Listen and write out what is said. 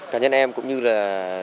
cả nhân em cũng như là